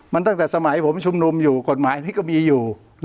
มันตั้งแต่สมัยผมชุมนุมอยู่กฎหมายนี้ก็มีอยู่